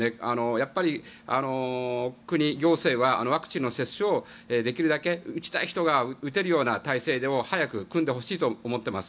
やっぱり国、行政はワクチンの接種をできるだけ打ちたい人が打てるような体制を早く組んでほしいと思っています。